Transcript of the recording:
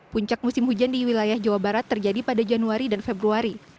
puncak musim hujan di wilayah jawa barat terjadi pada januari dan februari